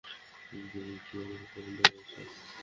অর্জুন, আমার টিনাকে খুব পছন্দ হয়েছে।